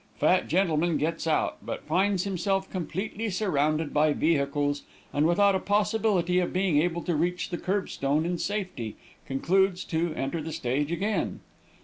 Fat gentleman gets out, but finds himself completely surrounded by vehicles, and without a possibility of being able to reach the curb stone in safety, concludes to enter the stage again.